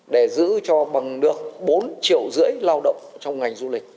để giữ cho bằng được bốn triệu rưỡi lao động trong ngành du lịch